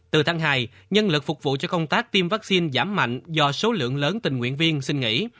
từ tháng hai nhân lực phục vụ cho công tác tiêm vaccine giảm mạnh do số lượng lớn tình nguyện viên xin nghỉ